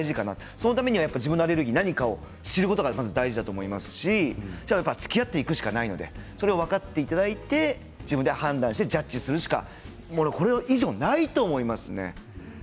そのためには自分のアレルギーは何か知ることが大事ですしつきあっていくしかないのでそれを分かっていただいて自分で判断してジャッジするしかこれ以上ないと思いますね。